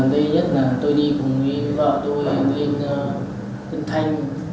đầu tiên nhất là tôi đi cùng với vợ tôi đến tân thanh